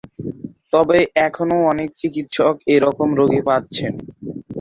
তবে এখনও অনেক চিকিৎসক এরকম রোগী পাচ্ছেন।